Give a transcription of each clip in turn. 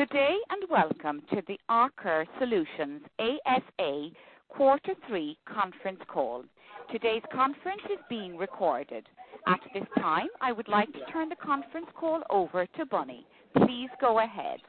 Good day. Welcome to the Aker Solutions ASA quarter three conference call. Today's conference is being recorded. At this time, I would like to turn the conference call over to Bunny. Please go ahead.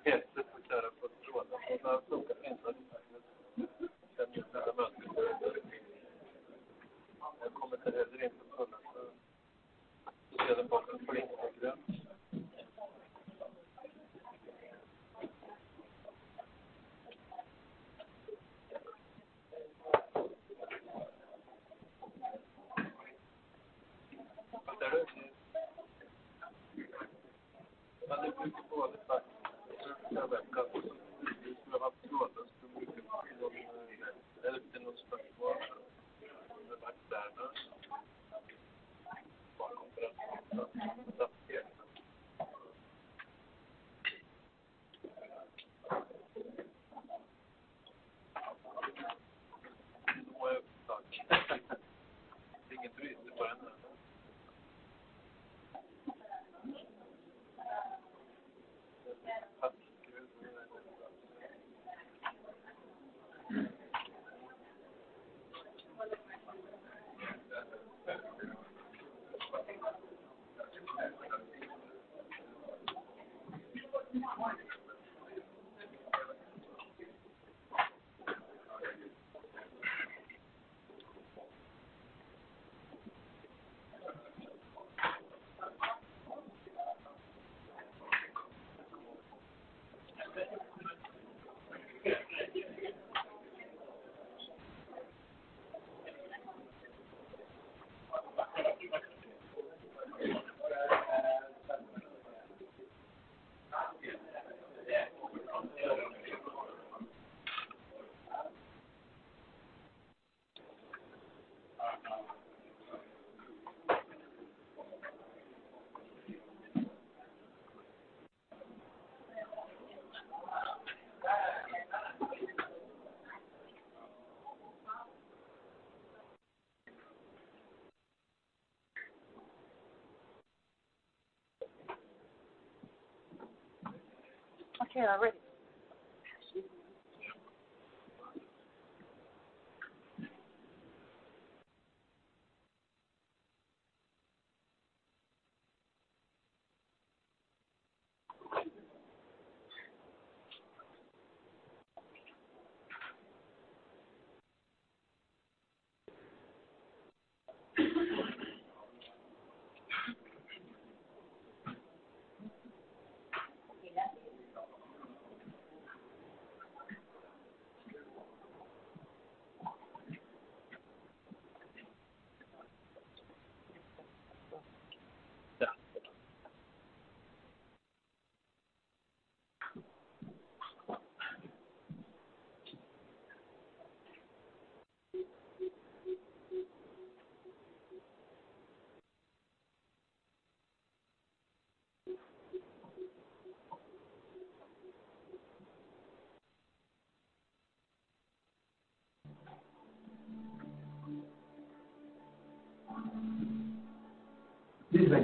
This is a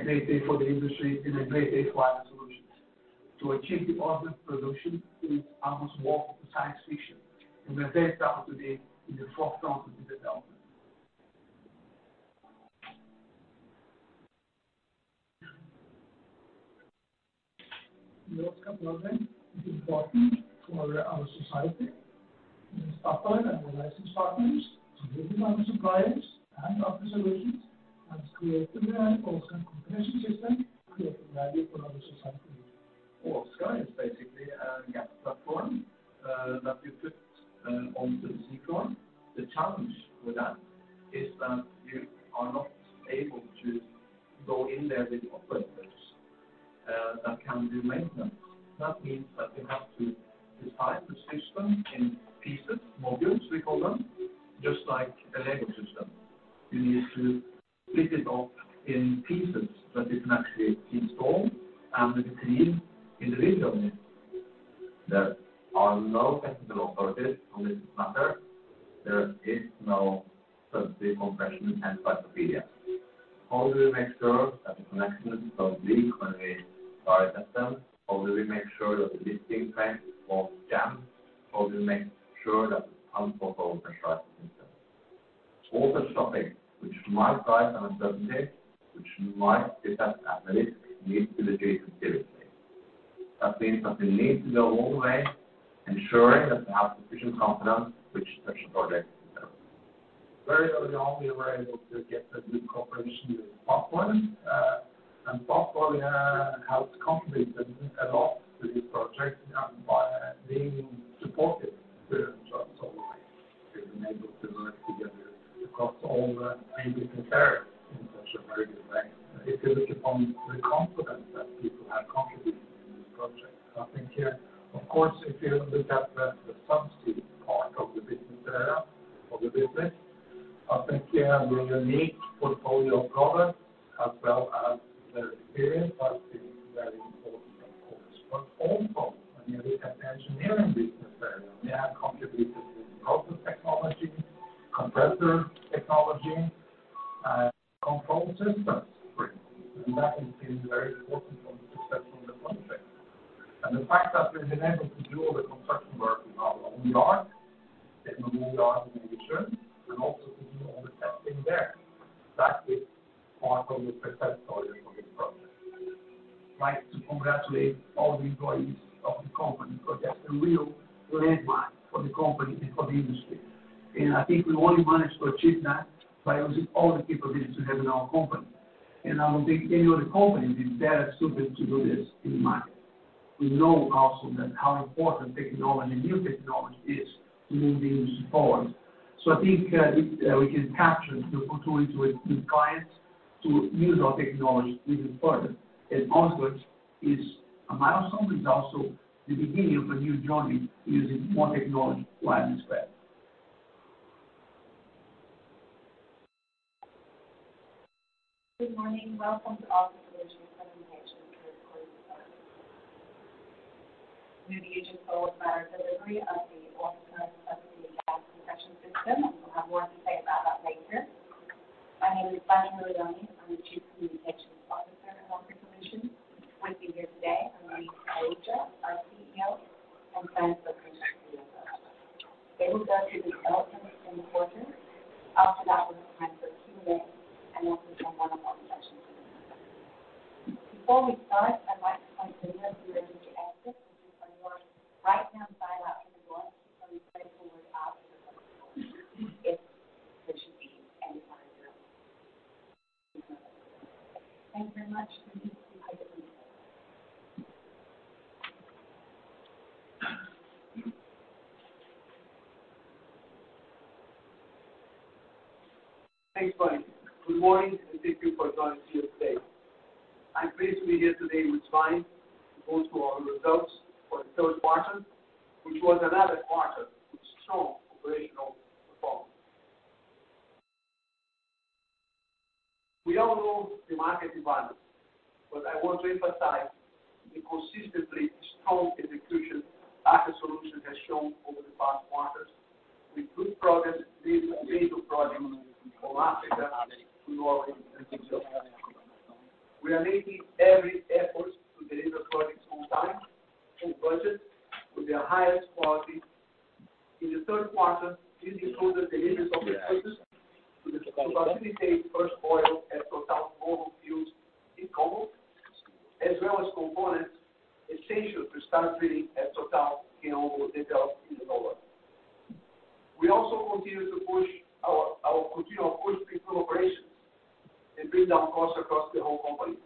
great day for the industry and a great day for Aker Solutions. To achieve the ultimate production is almost more science fiction. We're very proud today in the forefront of the development. North Sea building is important for our society and staff and our license partners to give to our suppliers and Aker Solutions has created an ultimate combination system creating value for our society. Sky is basically a gap platform that you put onto the Sea floor. The challenge with that is that you are not able to- Go in there with operators, that can do maintenance. That means that we have to design the system in pieces, modules we call them, just like a Lego system. You need to split it off in pieces that you can actually install and that you clean individually. There are no technical authorities on this matter. There is no subsea compression encyclopedia. How do we make sure that the connections don't leak when we fire test them? How do we make sure that the lifting frame won't jam? How do we make sure that the pump won't over pressurize the system? All these topics which might raise an uncertainty, which might detect a risk leads to the gate activity. That means that we need to go all the way ensuring that we have sufficient confidence which special projects deserve. Very early on, we were able to get a good cooperation with Fast4ward. Fast4ward helped companies and us with this project and by being supportive throughout all the way. We've been able to work together across all the business areas in such a very good way. If you look upon the confidence that people have contributed in this project, I think here, of course, if you look at the Subsea part of the business area of the business, I think we have a unique portfolio of products as well as the experience that is very important, of course. Also when you look at the engineering business area, we have contributed with process technology, compressor technology, and control systems, for instance. That has been very important for the success of the project. The fact that we've been able to do all the construction work in our own yard in the region, and also to do all the testing there, that is part of the success story for this project. Like to congratulate all the employees of the company because that's a real landmark for the company and for the industry. I think we only managed to achieve that by using all the capabilities we have in our company. I don't think any other company is better suited to do this in the market. We know also that how important technology, new technology is to move the industry forward. I think we can capture the opportunity with clients to use our technology even further. Onwards is a milestone, is also the beginning of a new journey using more technology where it is best. Good morning. Welcome to Aker Solutions third-quarter earnings. New the agent forward matter delivery of the Aker Subsea Gas Compression System. I will have more to say about that later. My name is Bunny Nooryani. I'm the Chief Communications Officer at Aker Solutions. With me here today are Luis Araujo, our CEO, and Svein Oskar Stoknes, CFO. They will go through the elements in the quarter. After that, we have time for Q&A, and then we have one-on-one sessions. Before we start, I'd like to point the emergency exits, which is on your right-hand side out in the door and the word exit above it. If there should be any fire drill. Thank you very much. Thanks, Bunny. Good morning, thank you for joining us here today. I'm pleased to be here today with Svein to go through our results for the third quarter, which was another quarter with strong operational performance. We all know the market environment, I want to emphasize the consistently strong execution Aker Solutions has shown over the past quarters with good progress with major projects from Africa to Norway and Brazil. We are making every effort to deliver projects on time, on budget, with the highest quality. In the third quarter, this included deliveries of equipment to facilitate first oil at Total Moho field in Congo, as well as components essential to start drilling at Total and OVO developments in Norway. We also continue to push our continual push for operations and bring down costs across the whole company,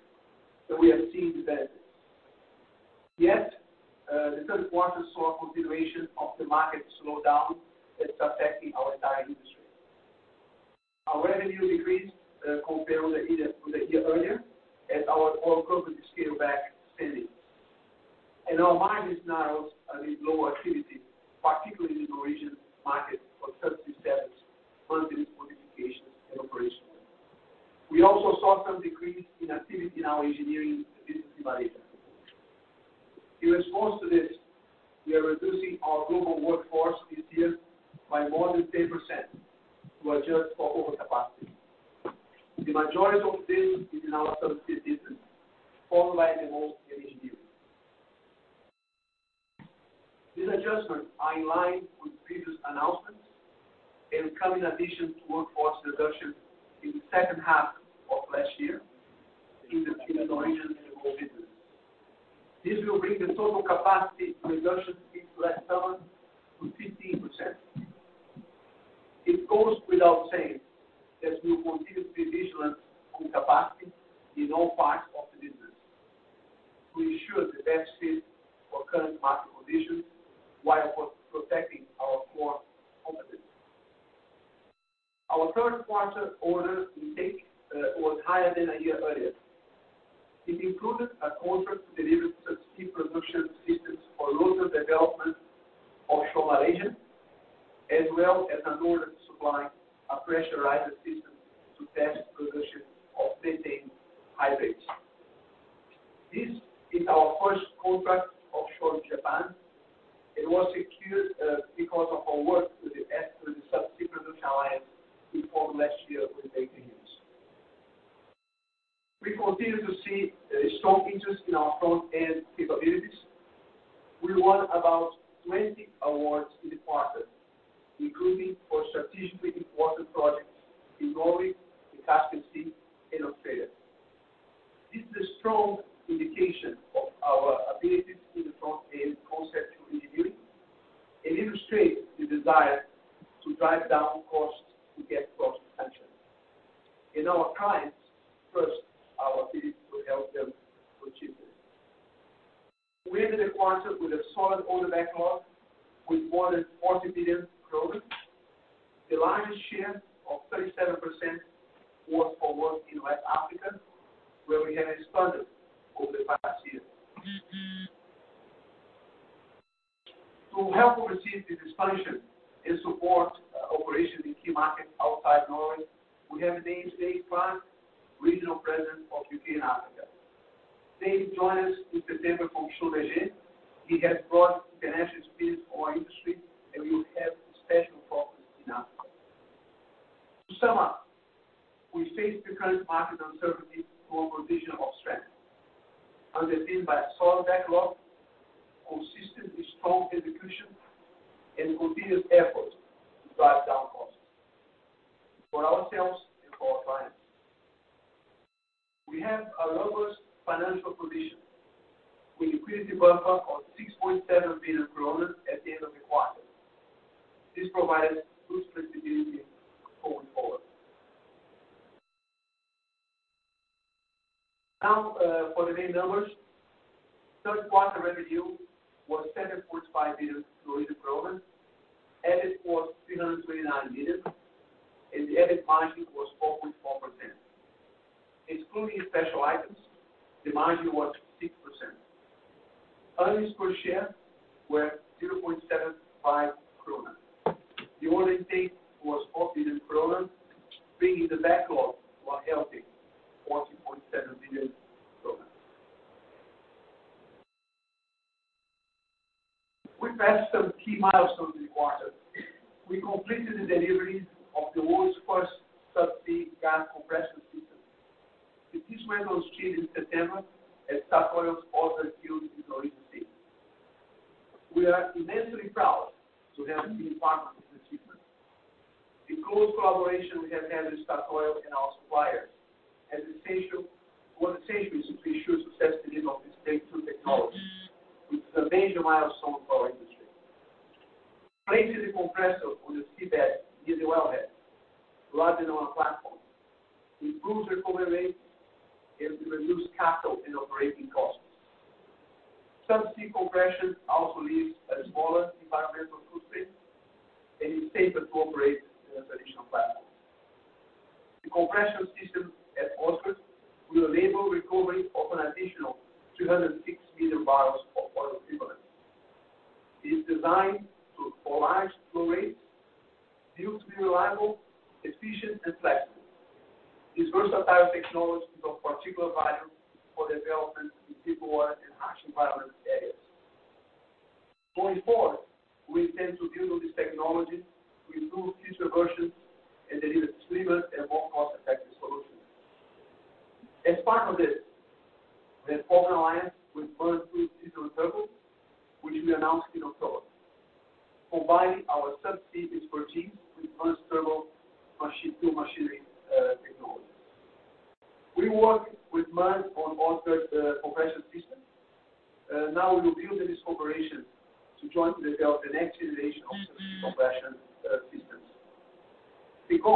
we have seen the benefits. Yet, the third quarter saw a continuation of the market slowdown that's affecting our entire industry. Our revenue decreased, compared with the year earlier as our oil companies scale back spending. Our margin is narrowed amid lower activity, particularly in the Norwegian market for Subsea services, Modifications, and Operations. We also saw some decrease in activity in our engineering business division. In response to this, we are reducing our global workforce this year by more than 10% to adjust for overcapacity. The majority of this is in our Subsea business, followed by the most in engineering. These adjustments are in line with previous announcements and come in addition to workforce reduction in the second half of last year in the field operations and oil business. This will bring the total capacity reduction since last summer to 15%. It goes without saying that we'll continue to be vigilant with capacity in all parts of our. Ensure the best fit for current market conditions while protecting our core competence. Our third quarter order intake was higher than a year earlier. It included a contract to deliver subsea production systems for Louis Development Offshore Malaysia, as well as an order to supply a pressurizer system to test production of methane hydrates. This is our first contract offshore in Japan. It was secured because of our work with the Subsea Production Alliance we formed last year with Baker Hughes. We continue to see strong interest in our front-end capabilities. We won about 20 awards in the quarter, including for strategically the Norwegian Sea. We are immensely proud to have been part of this achievement. The close collaboration we have had with Statoil and our suppliers was essential to ensure success delivery of this breakthrough technology, which is a major milestone for our industry. Placing the compressor on the seabed near the wellhead, rather than on a platform, improves recovery rate and reduce capital and operating costs. Subsea compression also leaves a smaller environmental footprint and is safer to operate than a traditional platform. The compression system at Åsgard will enable recovery of an additional 260 million barrels of oil equivalent. It is designed to allow large flow rates, built to be reliable, efficient, and flexible. This versatile technology is of particular value for development in deeper water and harsh environment areas. Going forward, we intend to build on this technology with new future versions and deliver slimmer and more cost-effective solutions. As part of this, we have formed an alliance with MAN Diesel and Turbo, which we announced in October, combining our subsea expertise with MAN's turbomachinery machining technology. We worked with MAN on Åsgard's compression system. Now we will build on this cooperation to jointly develop the next generation of subsea compression systems.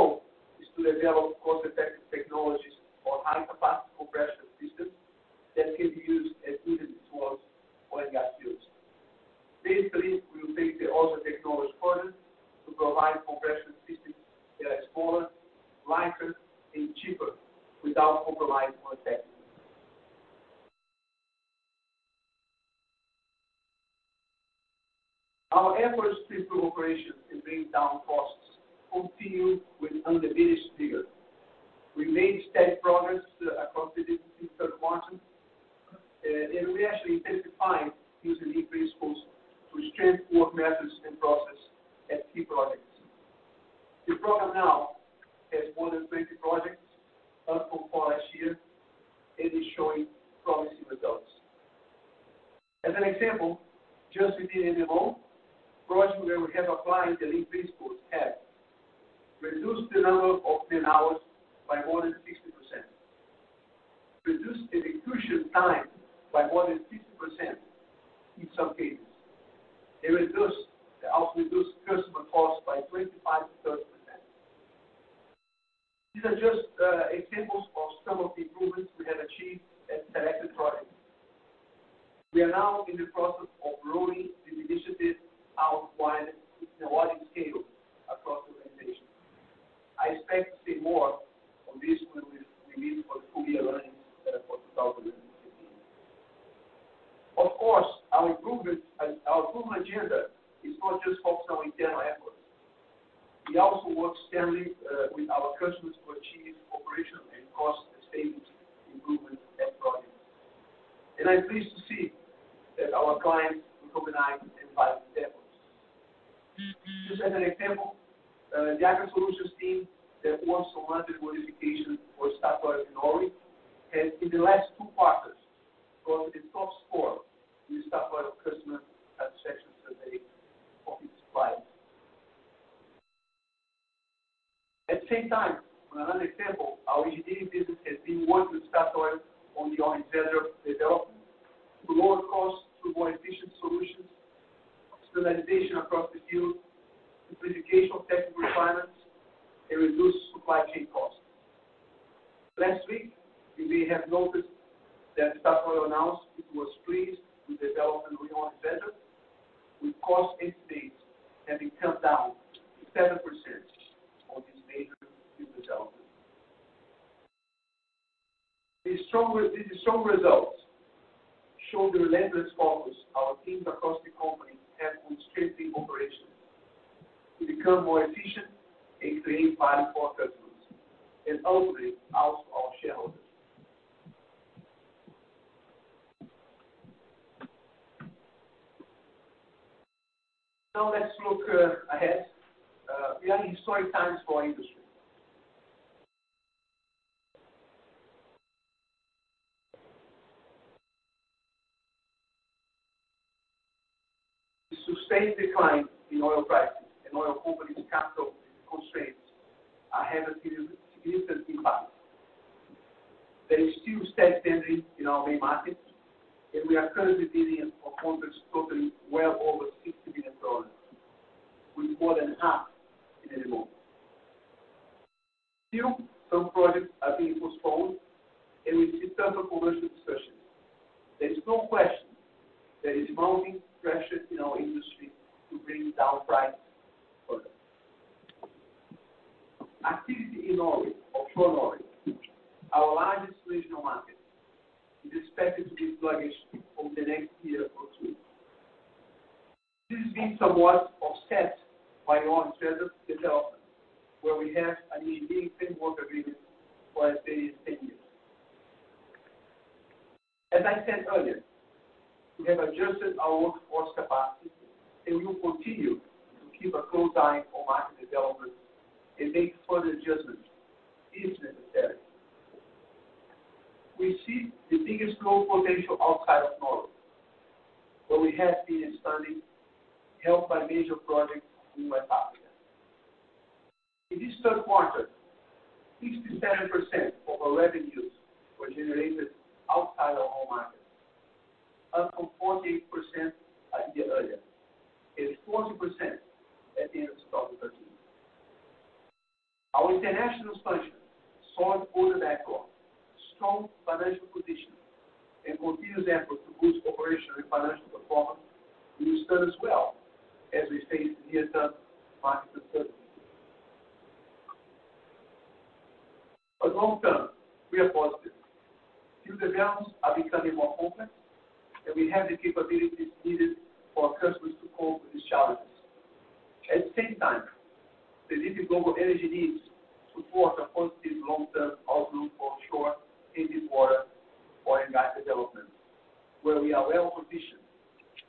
customer satisfaction survey of its clients. At the same time, on another example, our engineering business has been working with Statoil on the Ormen Lange development to lower costs through more efficient solutions, standardization across the field, simplification of technical requirements, and reduced supply chain costs. Last week, you may have noticed that Statoil announced it was pleased with the development we on Ormen Lange, with cost estimates having come down 7% on this major field development. These strong results show the relentless focus our teams across the company have on strengthening operations to become more efficient and create value for our customers and ultimately, also our shareholders. Now let's look ahead. We are in historic times for our industry. The sustained decline in oil prices and oil companies' capital constraints are having a significant impact. There is still steadfastness in our main markets, and we are currently bidding for contracts totaling well over $60 billion, with more than half in the Middle East. Still, some projects are being postponed, and we see tougher commercial discussions. There is no question there is mounting pressure in our industry to bring down price further. Activity in Norway, offshore Norway, our largest regional market, is expected to be sluggish over the next year or two. This has been somewhat offset by Ormen Lange development, where we have an engineering framework agreement for at least 10 years. As I said earlier, we have adjusted our workforce capacity, and we will continue to keep a close eye on market development and make further adjustments if necessary. We see the biggest growth potential outside of Norway, where we have been expanding, helped by major projects in West Africa. In this third quarter, 67% of our revenues were generated outside our home market, up from 48% a year earlier, and 40% at the end of 2013. Our international function, solid order backlog, strong financial position, and continuous effort to boost operational and financial performance, we will stand us well as we face near-term market uncertainty. Long term, we are positive. User demands are becoming more complex, we have the capabilities needed for our customers to cope with these challenges. At the same time, the leading global energy needs support a positive long-term outlook for offshore in deep water or in gas development, where we are well-positioned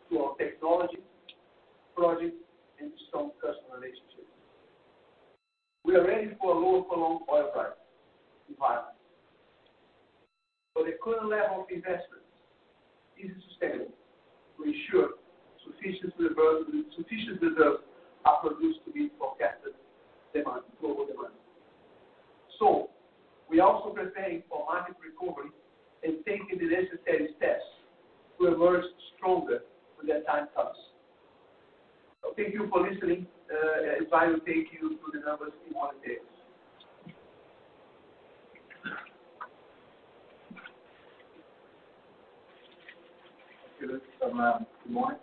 through our technology, projects, and strong customer relationships. We are ready for a lower prolonged oil price environment. The current level of investment is sustainable to ensure sufficient reserves are produced to meet forecasted demand, global demand. We are also preparing for market recovery and taking the necessary steps to emerge stronger when that time comes. Thank you for listening. Svein will take you through the numbers in more detail. Thank you, Luis. Good morning.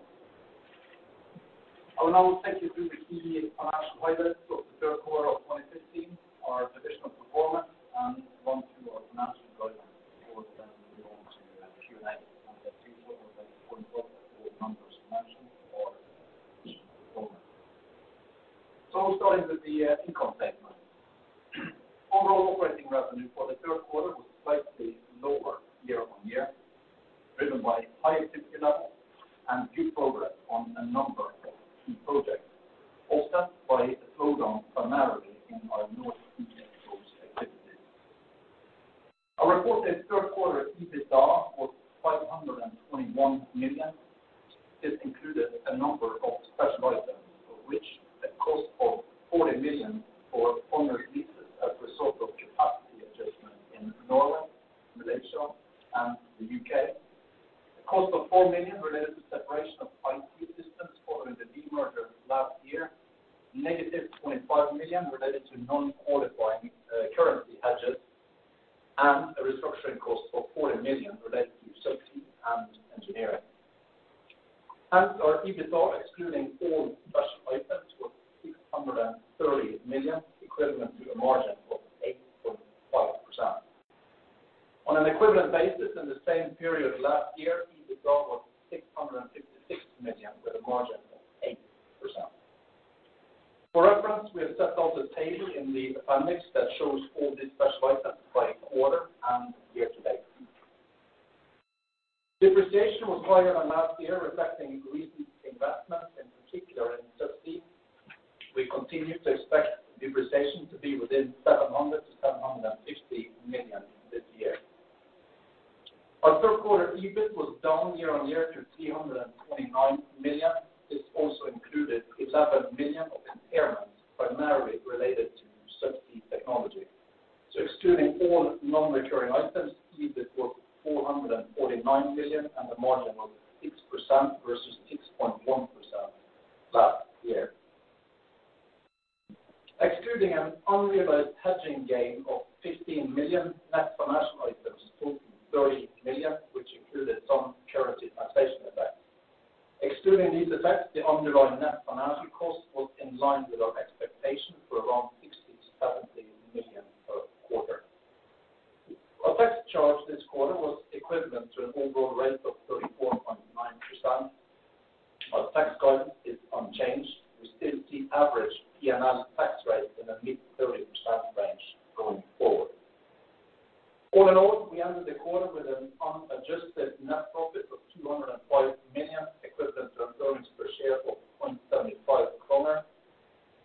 I will now take you through the key financial highlights of the third quarter of 2015, our traditional performance, and run through our financial guidance before we move on to Q&A. I won't take too long. I'll just point out a few numbers mentioned for each component. Starting with the income statement. Overall operating revenue for the third quarter was slightly lower year-on-year, driven by higher activity levels and good progress on a number of key projects, offset by a slowdown primarily in our North Sea fields activities. Our reported third quarter EBITDA was 521 million. This included a number of special items, of which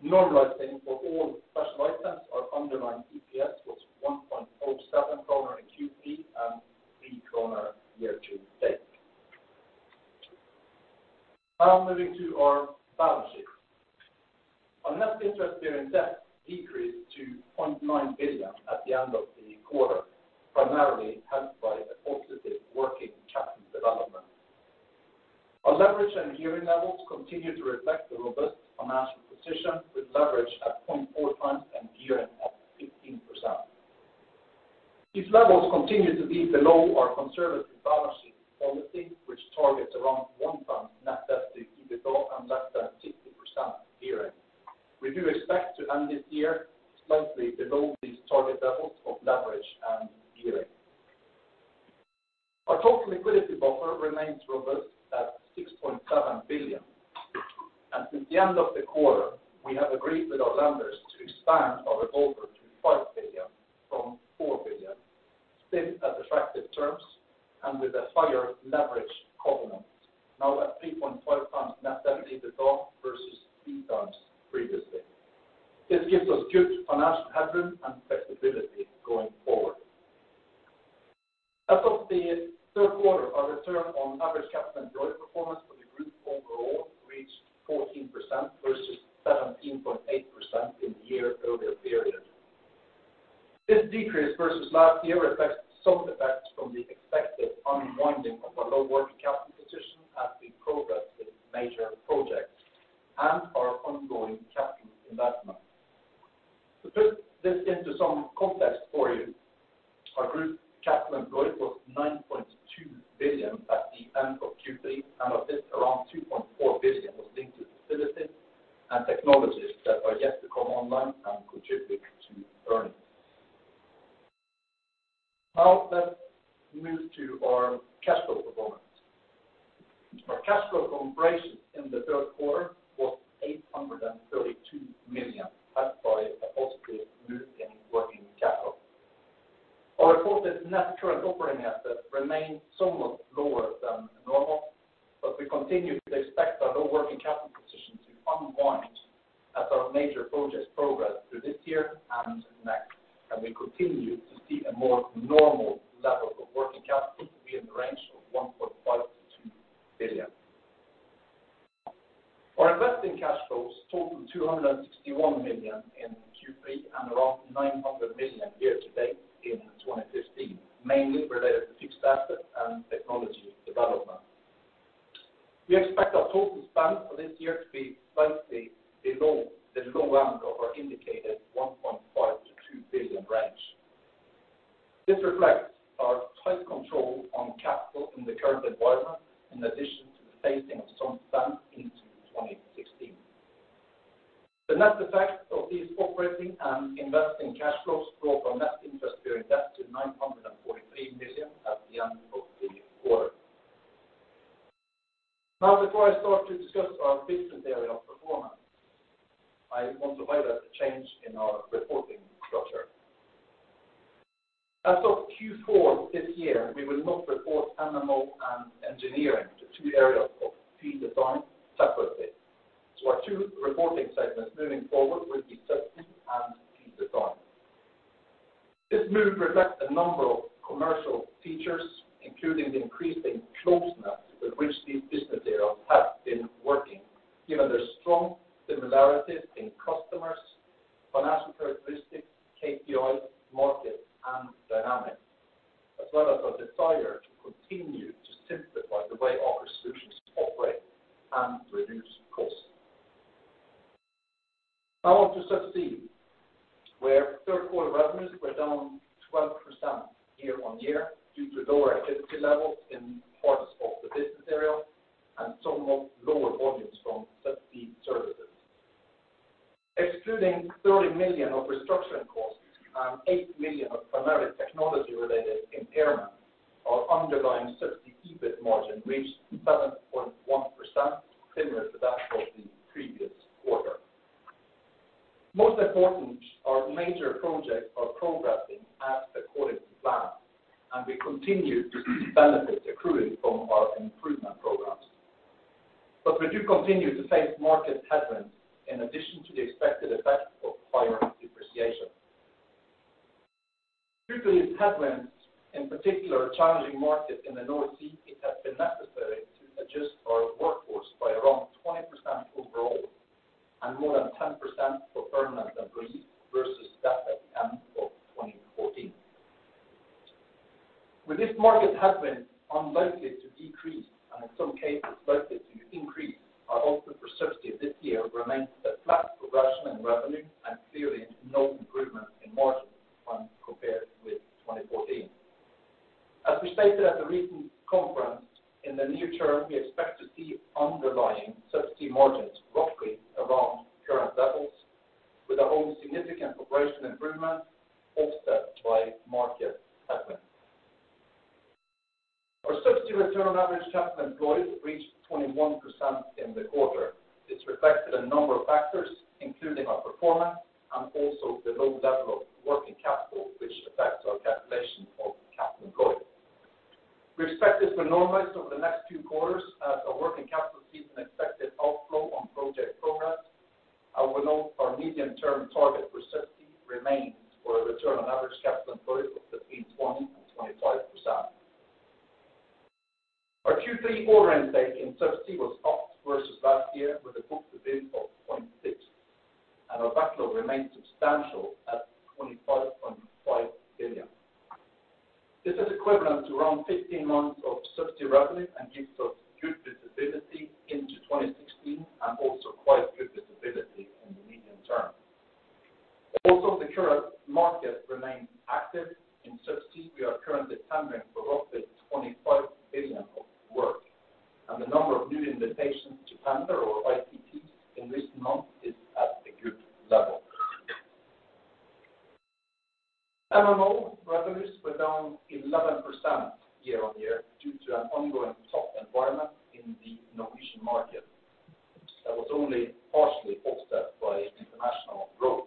Normalizing for all special items, our underlying EPS was 1.47 kroner in Q3 and 3 kroner year-to-date. Moving to our balance sheet. Our net interest-bearing debt decreased to 0.9 billion at the end of the quarter, primarily helped by a positive working capital development. Our leverage and gearing levels continue to reflect a robust financial position with leverage at 0.4 times and gearing at 15%. These levels continue to be below our conservative balance sheet policy, which targets around 1 times net debt to EBITDA and less than 50% gearing. We do expect to end this year slightly below these target levels of leverage and gearing. Our total liquidity buffer remains robust at 6.7 billion. Since the end of the quarter, we have agreed with our lenders to expand our revolver to 5 billion from 4 billion, still at attractive terms and with a higher leverage covenant, now at 3.5x net debt to EBITDA versus 3x previously. This gives us good financial headroom and flexibility going forward. As of the third quarter, our return on average capital employed performance for the group overall reached 14% versus 17.8% in the year earlier period. This decrease versus last year reflects some effects from the expected unwinding of our low working capital position as we progress with major projects and our ongoing capital investment. To put this into some context for you, our group capital employed was 9.2 billion at the end of Q3. Of this around 2.4 billion was linked to facilities and technologies that are yet to come online and contribute to earnings. Now let's move to our cash flow performance. Our cash flow from operations in the third quarter was 832 million, helped by a positive move in working capital. Our reported net current operating assets remained somewhat lower than normal, but we continue to expect our low working capital position to unwind as our major projects progress through this year and next, and we continue to see a more normal level of working capital to be in the range of 1.5 billion-2 billion. Our investing cash flows totaled 261 million in Q3 and around 900 million year to date in 2015, mainly related to fixed asset and technology development. We expect our total spend for this year to be slightly below the low end of our indicated 1.5 billion-2 billion range. This reflects our tight control on capital in the current environment, in addition to the phasing of some spend into 2016. The net effect of these operating and investing cash flows brought our net interest-bearing debt to 943 million at the end of the quarter. Before I start to discuss our different area of performance, I want to highlight a change in our reporting structure. As of Q4 this year, we will not report MMO and engineering, the two areas of Field Design separately. Our two reporting segments moving forward will be Subsea and Field Design. This move reflects a number of commercial features, including the increasing closeness with which these disciplines have been working given their strong similarities in customers, financial characteristics, KPI, markets, and dynamics, as well as our desire to continue to simplify the way Aker Solutions operate and reduce costs. Now on to Subsea, where third-quarter revenues were down 12% year-on-year due to lower activity levels in parts of the business area and somewhat lower volumes from Subsea Services. Excluding 30 million of restructuring costs and 8 million of primarily technology-related impairment, our underlying Subsea EBIT margin reached 7.1%, similar to that of the previous quarter. Most important, our major projects are progressing as according to plan, and we continue to benefit accruing from our improvement programs. We do continue to face market headwinds in addition to the expected effect of higher depreciation. Due to these headwinds, in particular, a challenging market in the North Sea, it has been necessary to adjust our workforce by around 20% overall and more than 10% for were down 11% year-on-year due to an ongoing tough environment in the Norwegian market that was only partially offset by international growth.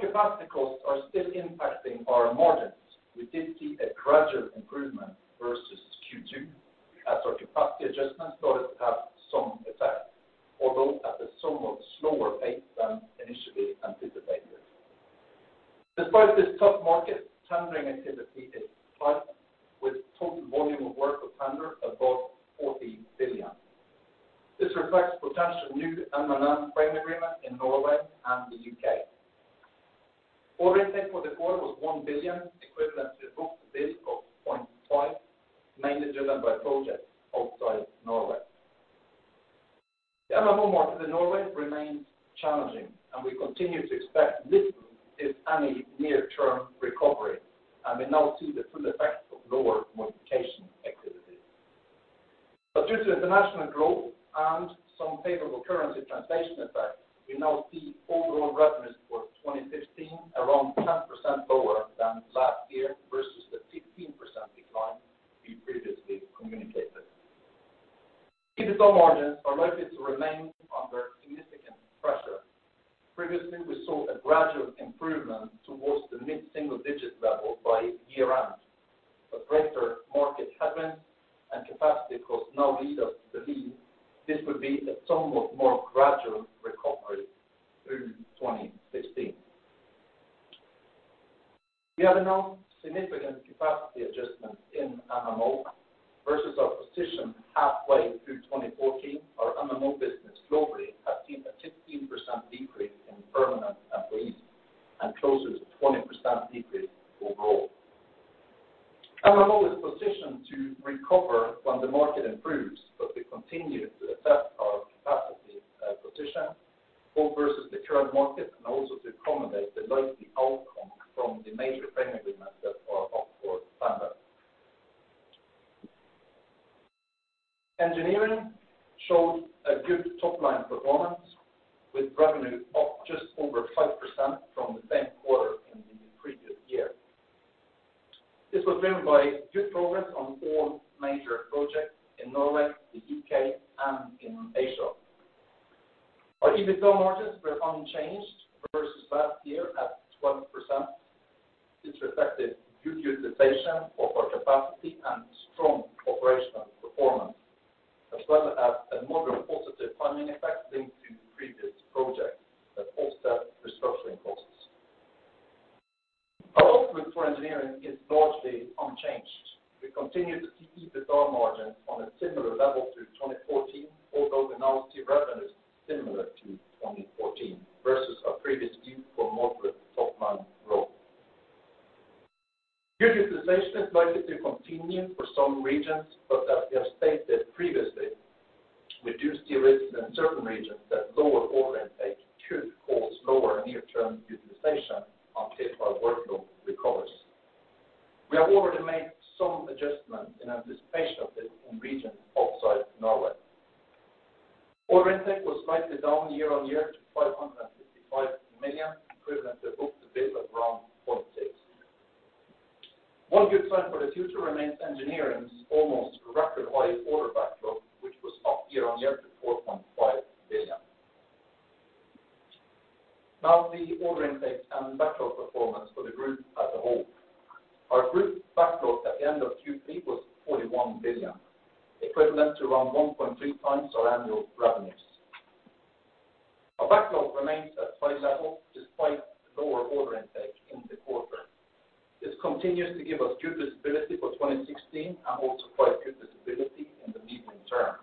Capacity costs are still impacting our margins, we did see a gradual improvement versus Q2 as our capacity adjustments started to have some effect, although at a somewhat slower pace than initially anticipated. Despite this tough market, tendering activity is tight, with total volume of work of tender above 40 billion. This reflects potential new MMO frame agreement in Norway and the U.K. Order intake for the quarter was 1 billion, equivalent to a book-to-bill of 0.5, mainly driven by projects outside Norway. The MMO market in Norway remains challenging, and we continue to expect little, if any, near-term recovery, and we now see the full effect of lower modification activity. Due to international growth and some favorable currency translation effects, we now see overall revenues for 2015 around 10% lower than last year versus the 15% decline we previously communicated. EBITDA margins are likely to remain under significant pressure. Previously, we saw a gradual improvement towards the mid-single digit level by year-end, but greater market headwinds and capacity costs now lead us to believe this will be a somewhat more gradual recovery through 2016. We have announced significant capacity adjustments in MMO versus our position halfway through 2014. Our MMO business globally One good sign for the future remains engineering's almost record high order backlog, which was up year-over-year to 4.5 billion. The order intake and backlog performance for the group as a whole. Our group backlog at the end of Q3 was 41 billion, equivalent to around 1.3x our annual revenues. Our backlog remains at high level despite lower order intake in the quarter. This continues to give us good visibility for 2016 and also quite good visibility in the medium term.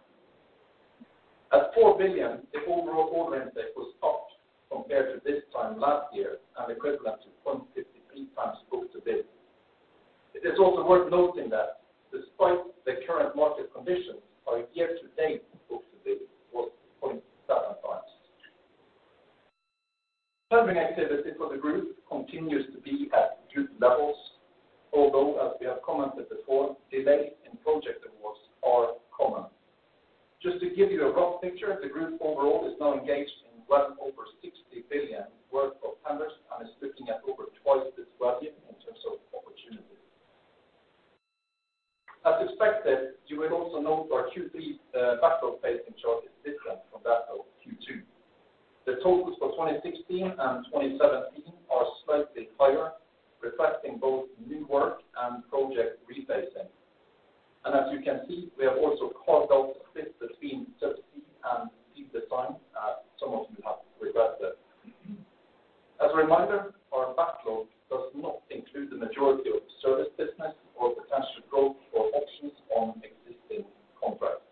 At 4 billion, the overall order intake was up compared to this time last year and equivalent to 0.53 times book-to-bill. It is also worth noting that despite the current market conditions, our year-to-date book-to-bill was 0.7 times. Tendering activity for the group continues to be at good levels, although as we have commented before, delays in project awards are common. Just to give you a rough picture, the group overall is now engaged in well over $60 billion worth of tenders and is sitting at over 2x this value in terms of opportunities. As expected, you will also note our Q3 backlog base in chart is different from that of Q2. The totals for 2016 and 2017 are slightly higher, reflecting both new work and project rebasing. As you can see, we have also called out the split between Subsea and Field Design, as some of you have requested. As a reminder, our backlog does not include the majority of service business or potential growth or options on existing contracts.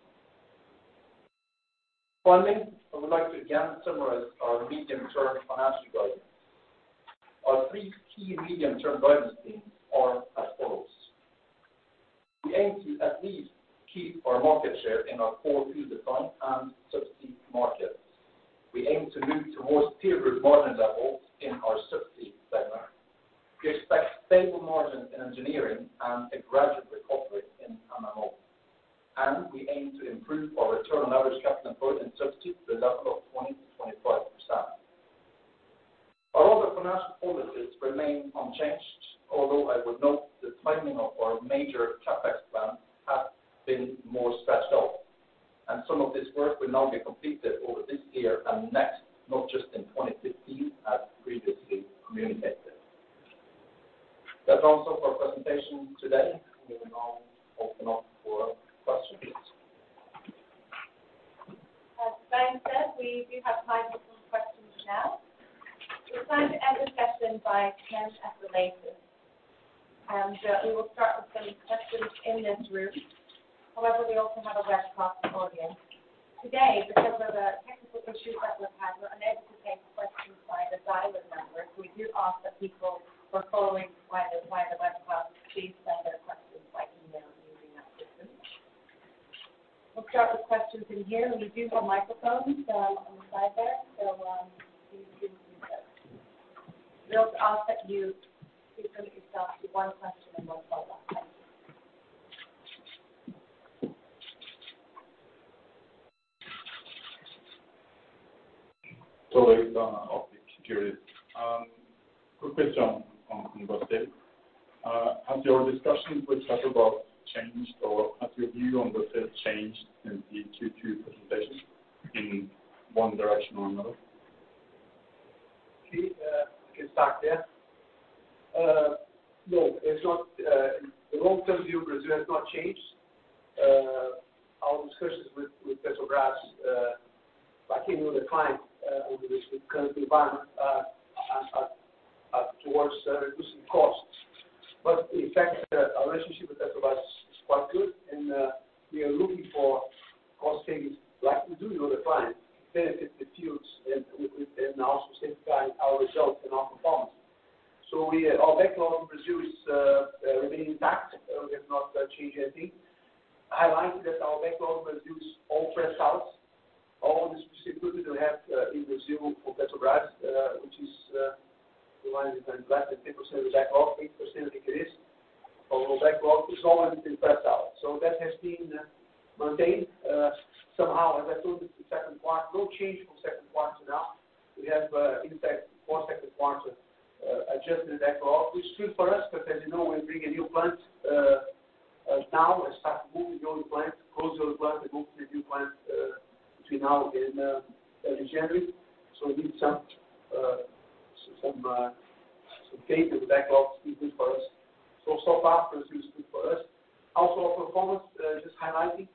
Finally, I would like to again summarize our medium-term financial guidance. Our three key medium-term guidance themes are as follows: We aim to at least keep our market share in our core Field Design and Subsea markets. We aim to move towards peer group margin levels in our Subsea segment. We expect stable margins in engineering and a gradual recovery in MMO. We aim to improve our return on average capital employed in Subsea to a level of 20%-25%. Our other financial policies remain unchanged, although I would note the timing of our major CapEx plan has been more stretched out. Some of this work will now be completed over this year and next, not just in 2015 as previously communicated. That's all for our presentation today. We will now open up for questions. As Svein said, we do have time for some questions now. We plan to end the session by 10 at the latest. We will start with some questions in this room. However, we also have a webcast audience. Today, because of the technical issues that we've had, we're unable to take questions via the dial-in number. We do ask that people who are following via the webcast please send their questions by email using that system. We'll start with questions in here. We do have microphones on the side there. Please do use those. We also ask that you limit yourself to one question and one follow-up. Quick question on Brazil. Have your discussions with Petrobras changed or has your view on Brazil changed since the Q2 presentation in one direction or another? Okay. I can start there. No, it's not. The long-term view of Brazil has not changed. Our discussions with Petrobras, like any other client, over this, we currently run at, towards reducing costs. In fact, our relationship with Petrobras is quite good, and we are looking for cost savings like we do with other clients, benefit the fields and also specify our results and our performance. Our backlog in Brazil is remaining intact. We have not changed anything. I like that our backlog reduces all phase-outs. All the specific equipment we have in Brazil for Petrobras, which is the line that I'm glad that 10% of the backlog, 80% increase. Our backlog is all in phase-out. That has been maintained somehow. As I told you, the second quarter, no change from second quarter to now. We have, in fact, for second quarter, adjusted backlog, which is good for us because, you know, we bring a new plant now and start moving the old plant, close the old plant and move to the new plant between now and January. We need some, some pace in the backlog is good for us. So far for us. Also our performance, just highlighting,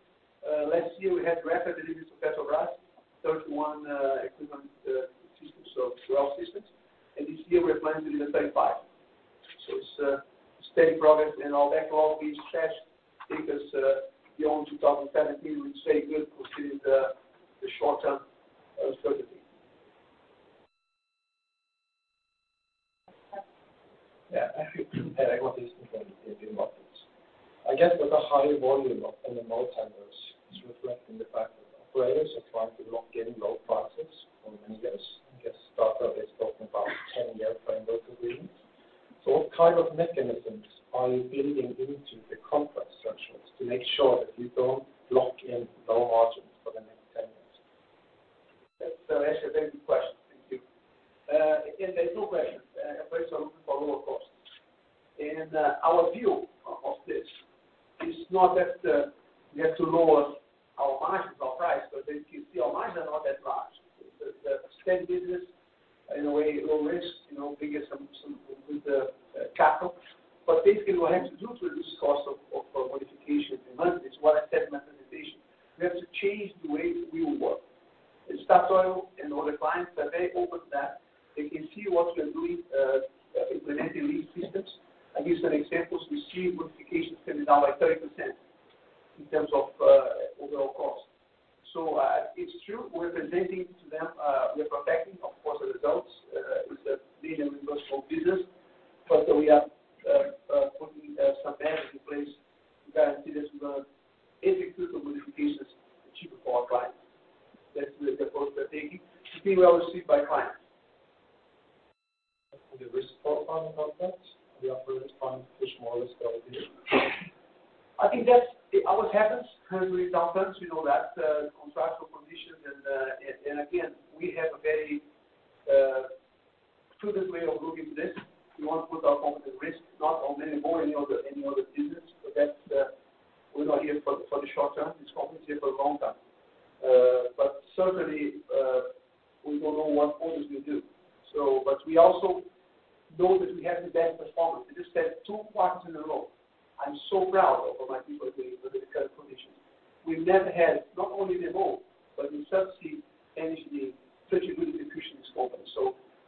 last year we had rapid deliveries to Petrobras, 31 equipment systems, so 12 systems. This year we are planning to do 35. It's steady progress, and our backlog is fresh because, beyond 2017, we stay good considering the short-term uncertainty. Yeah. I think what is the thing in markets? I guess with the high volume of in the multi years is reflecting the fact that operators are trying to lock in low prices for many years. I guess Statoil is talking about 10-year framework agreements. What kind of mechanisms are you building into the contract structures to make sure that you don't lock in low margins for the next 10 years? That's actually a very good question. Thank you. Appraisal for lower costs. Our view of this is not that we have to lower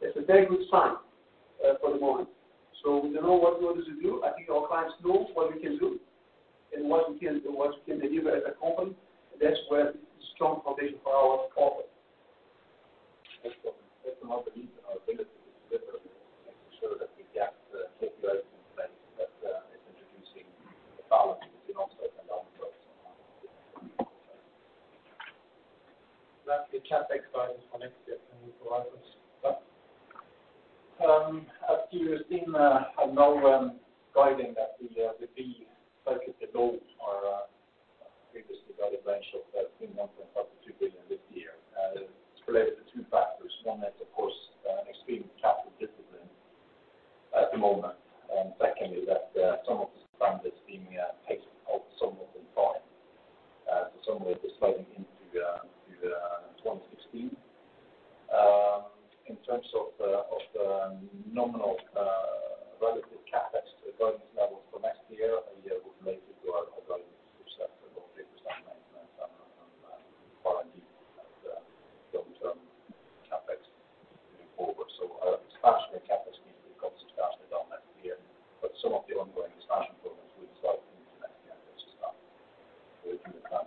this company. That's a very good sign for the moment. We don't know what orders we'll do. I think our clients know what we can do and what we can deliver as a company. That's where strong foundation for our offer. That's the belief in our ability to deliver and making sure that we get the capability to implement that, is introducing the balance between offshore and onshore. That the CapEx guidance for next year can you provide us? As you've seen, I know I'm guiding that we will be focused below our previously guided range of NOK 13.5 billion-NOK 2 billion this year. It's related to two factors. One is, of course, an extreme capital discipline at the moment. Secondly is that some of the spend that's being taken out some of the time, some of it is sliding into 2016. In terms of the, of the nominal, relative CapEx guidance levels for next year, we would make it through our guidance which set at about 50% maintenance and R&D and long-term CapEx moving forward. Expansion of CapEx means we've got some expansion development here, but some of the ongoing expansion programs will slide into next year versus that. We're looking to capital for the ongoing program. Okay. Thank you.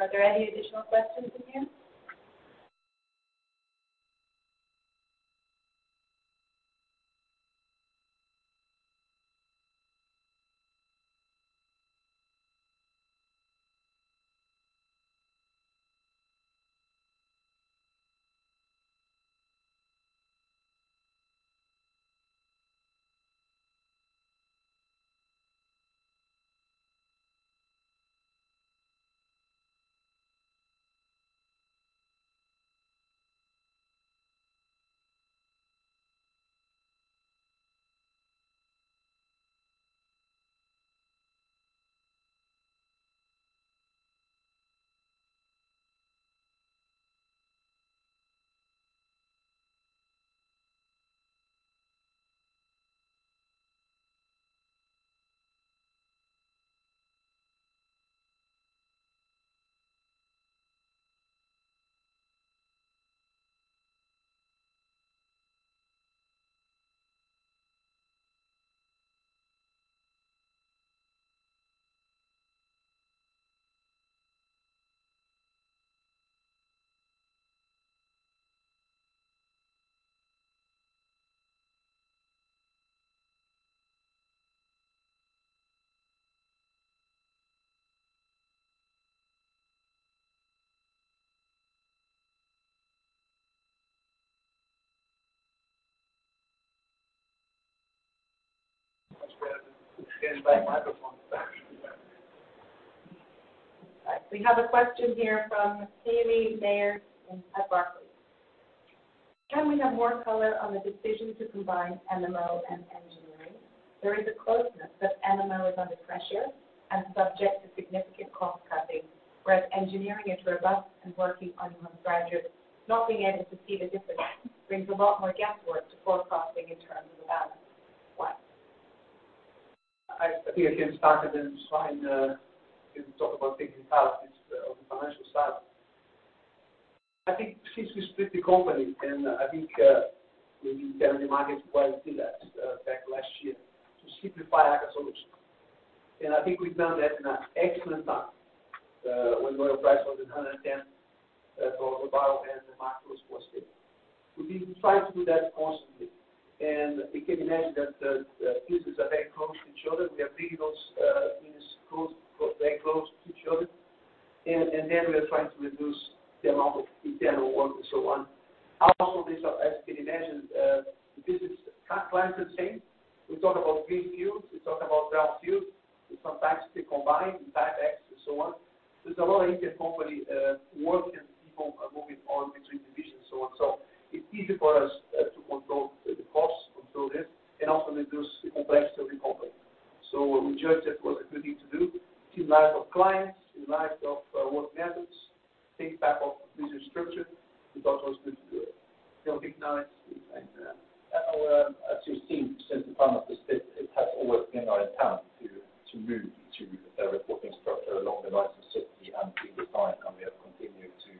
Are there any additional questions in here? Much better than standing by microphone. We have a question here from Tammy Mayer at Barclays. Can we have more color on the decision to combine MMO and engineering? There is a closeness that MMO is under pressure and subject to significant cost cutting, whereas engineering is robust and working on one graduate. Not being able to see the difference brings a lot more guesswork to forecasting in terms of balance. Why? I think I can start it and Svein can talk about things in details of the financial side. I think since we split the company, and I think we've been telling the market why we did that back last year to simplify Aker Solutions. I think we've done that in an excellent time when oil price was at $110 a barrel, and the market was positive. We've been trying to do that constantly, and you can imagine that pieces are very close to each other. We are bringing those units very close to each other. We are trying to reduce the amount of internal work and so on. Also, these are, as you can imagine, the business clients are saying, we talk about green fields, we talk about brown fields. We sometimes they combine in CapEx and so on. There's a lot of intercompany work, and people are moving on between divisions, so on. It's easy for us to control the costs, control this, and also reduce the complexity of the company. We judged that was a good thing to do. Team life of clients, team life of work methods, think back of business structure. We thought it was good to do it. Don't think now it's the same. Our, as you've seen since the final split, it has always been our intent to move to a reporting structure along the lines of Subsea and Field Design, and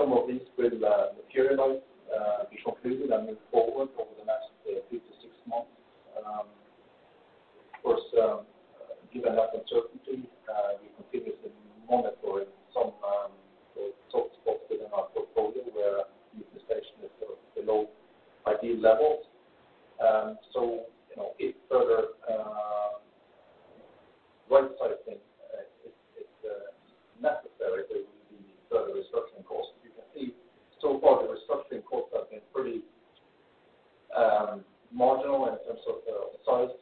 some of these will materialize, be concluded and move forward over the next 3-6 months. Of course, given that uncertainty, we continuously monitoring some sort of spots within our portfolio where utilization is sort of below ideal levels. You know, if further right-sizing is necessary, there will be further restructuring costs. As you can see, so far the restructuring costs have been pretty marginal in terms of size.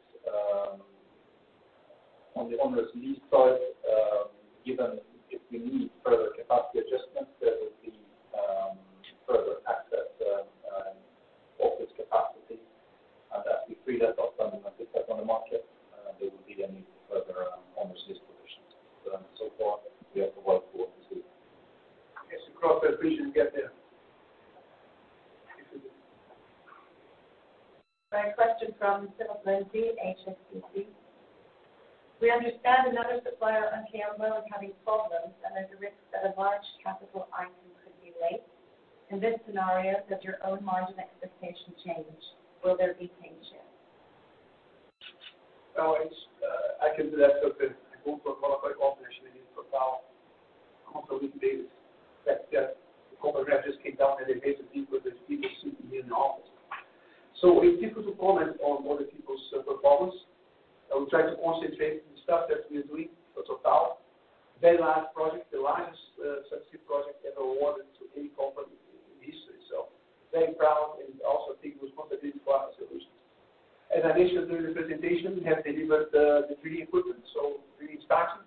On the onerous lease side, given if we need further capacity adjustments, there will be further access and office capacity. As we free that up and put that on the market, there will be a need for further onerous lease positions. So far we have the work to- I guess to cross that bridge and get there. A question from Philip Lindsay, HSBC. We understand another supplier on Cambo is having problems. There's a risk that a Total item could be late. In this scenario, does your own margin expectation change? Will there be pain shared? No, it's, I can do that quickly. I go for a call with cooperation in Total a couple of week days that the corporate rep just came down and they met the people sitting here in the office. It's difficult to comment on other people's performance. I will try to concentrate on the stuff that we are doing for Total. Very large project, the largest Subsea project ever awarded to any company in history. Very proud and also think it was motivated for Aker Solutions. In addition to the presentation, we have delivered the three equipment, so three stacks.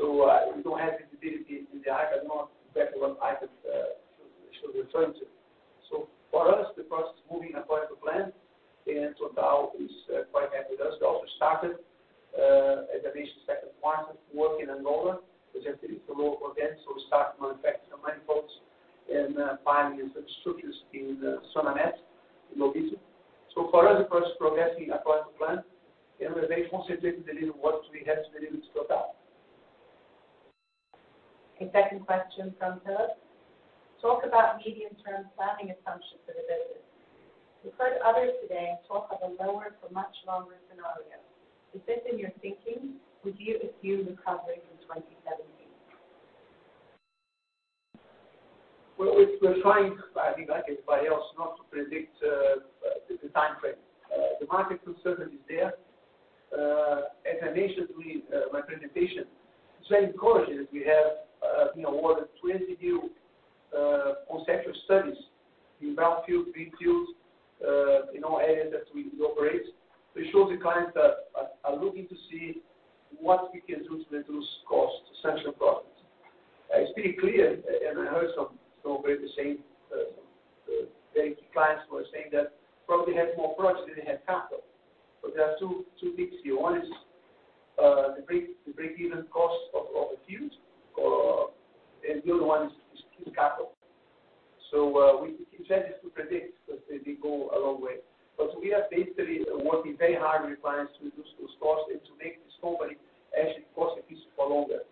We don't have visibility into the item, nor exactly what item should refer to. For us, the process is moving according to plan, and Total is quite happy with us. We also started at the beginning of second quarter working on Nyhamna. We just did it a little event. We start manufacturing the manifolds and piping and substructures in Sana Met in Lobito. For us, the process is progressing according to plan, and we're very concentrated delivering what we have to deliver to Total. A second question from Philip: Talk about medium-term planning assumptions for the business. We've heard others today talk of a lower for much longer scenario. Is this in your thinking? Would you assume recovery from 2017? Well, we're trying, I think like everybody else, not to predict the timeframe. The market concern is there. As I mentioned to you, my presentation, it's very encouraging that we have, you know, awarded 20 new conceptual studies in brownfield, greenfield, you know, areas that we operate. It shows the clients are looking to see what we can do to reduce costs, essential products. It's pretty clear, and I heard some very the same very key clients who are saying that probably have more projects than they have capital. There are two things here. One is the break-even cost of the fields. The other one is capital. We keep challenges to predict because they go a long way. We are basically working very hard with clients to reduce those costs and to make this company actually cost-efficient for longer.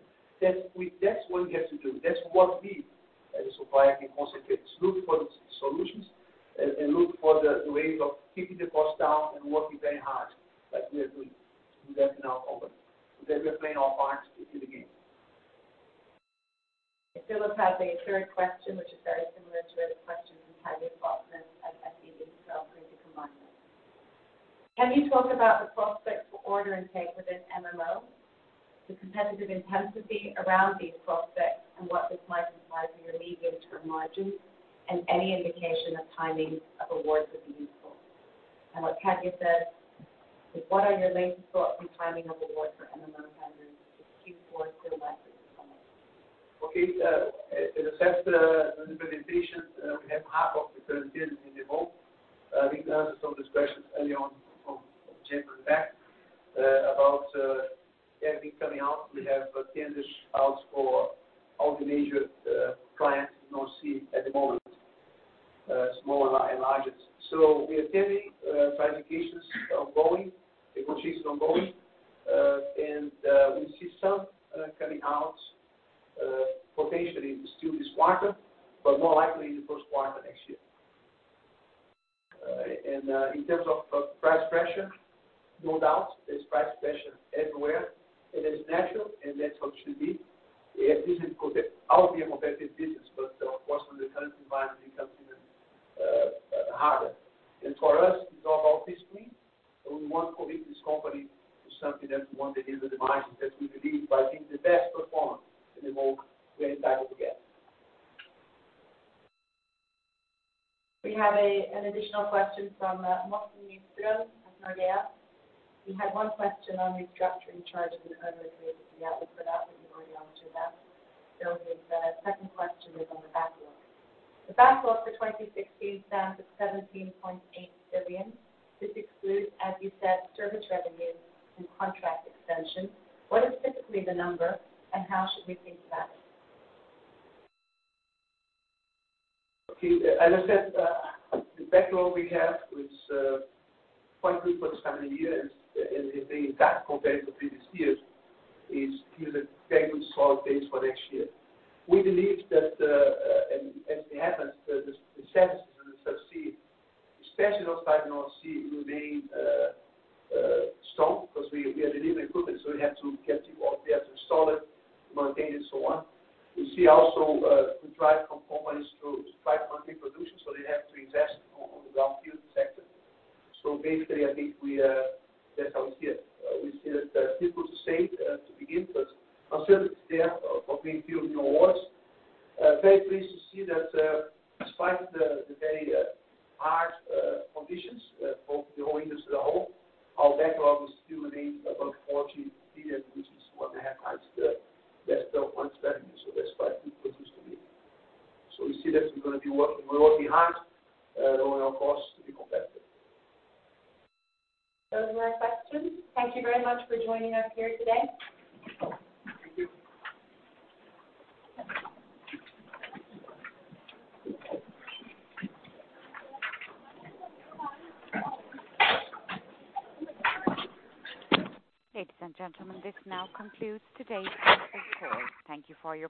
That's what we have to do. That's what we as a supplier can concentrate. To look for the solutions and look for the ways of keeping the cost down and working very hard like we are doing. We are doing that now over. We are playing our part to win the game. Philip has a third question, which is very similar to the question from Target department, so I'm going to combine them. Can you talk about the prospects for order intake within MMO? The competitive intensity around these prospects and what this might imply for your medium-term margins, and any indication of timing of awards would be useful. What Katja said is, what are your latest thoughts on timing of awards for MMO tenders in Q4 to. Okay. As I said, in the presentation, we have half of the current tenders in the book. I think I answered some of these questions early on from James Maccan about everything coming out. We have tenders out for all the major clients in North Sea at the moment, small and largest. We are tending, clarifications ongoing, negotiations ongoing. We see some coming out potentially still this quarter, but more likely in the first quarter next year. In terms of price pressure, no doubt there's price pressure everywhere. It is natural, and that's how it should be. How we are competitive business, but of course, in the current environment becomes even harder. For us, it's all about discipline. We want to lead this company to something that we want to deliver the margins that we believe by keeping the best performance and the more we are entitled to get. We have an additional question from Morten Imsgard at Nordea. We had one question on restructuring charges and other creativity outlook, but that we've already answered that. The second question is on the backlog. The backlog for 2016 stands at 17.8 billion. This excludes, as you said, service revenue and contract extension. What is typically the number and how should we think about it? Okay. As I said, the backlog we have is quite good for this time of the year. It's being that compared to previous years is gives a very good solid base for next year. We believe that, as it happens, the services in the Subsea, especially North Five North Sea, will remain strong because we are delivering equipment, so we have to get involved. We have to install it, maintain it and so on. We see also to drive companies to drive monthly production, so they have to invest on the downfield sector. Basically, I think we, that's how we see it. We see it still good to say to begin, but I'm sure it's there for being few new awards. Very pleased to see that, despite the very hard conditions for the oil industry as a whole, our backlog is still remains above NOK 14 billion, which is 1.5x the best of our spending. That's quite good for this to me. We see that we're gonna be working. We're working hard, lowering our costs to be competitive. Those are our questions. Thank you very much for joining us here today. Thank you. Ladies and gentlemen, this now concludes today's conference call. Thank you for your participation.